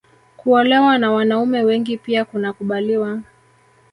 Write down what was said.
Kuolewa na wanaume wengi pia kunakubaliwa